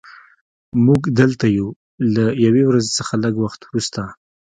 موږ دلته یو له یوې ورځې څخه لږ وخت وروسته